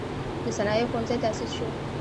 د صنایعو ښوونځی تأسیس شو.